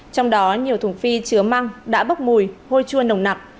trong đó nhiều thùng phi chứa măng đã bốc mùi hôi chua nồng nặc